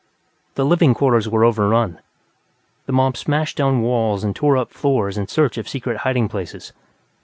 The living quarters were overrun; the mob smashed down walls and tore up floors in search of secret hiding places.